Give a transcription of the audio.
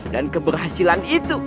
dan keberhasilan itu